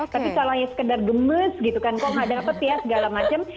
tapi kalau hanya sekedar gemes gitu kan kok gak dapet ya segala macam